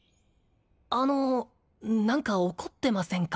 あの何か怒ってませんか？